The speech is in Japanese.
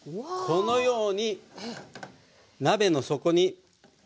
このように鍋の底に。